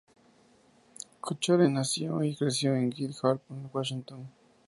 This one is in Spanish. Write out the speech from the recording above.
Cochrane nació y creció en Gig Harbor, Washington.